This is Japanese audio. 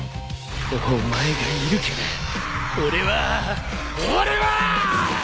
お前がいるから俺は俺は！